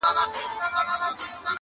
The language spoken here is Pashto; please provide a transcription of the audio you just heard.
د وخت له کانه به را باسمه غمي د الماس-